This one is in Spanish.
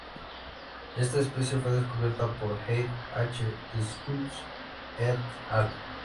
Esta especie fue descubierta por Heide H. Schulz "et al.